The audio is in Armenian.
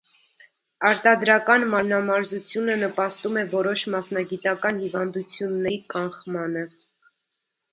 Արտադրական մարմնամարզությունը նպաստում է որոշ մասնագիտական հիվանդությունների կանխմանը։